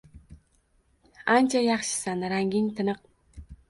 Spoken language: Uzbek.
Ancha yaxshisan, ranging tiniq.